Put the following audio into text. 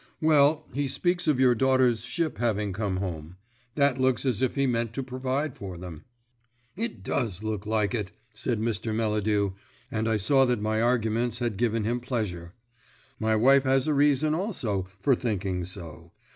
"Well, he speaks of your daughters' ship having come home. That looks as if he meant to provide for them." "It does look like it," said Mr. Melladew; and I saw that my arguments had given him pleasure. "My wife has a reason, also, for thinking so.